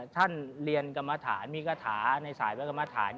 ท่านเรียนกรรมฐานมีสายกรรมฐาน